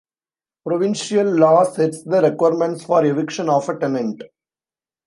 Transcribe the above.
Provincial law sets the requirements for eviction of a tenant.